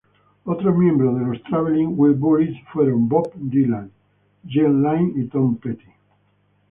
Otros miembros de los Traveling Wilburys fueron Bob Dylan, Jeff Lynne y Tom Petty.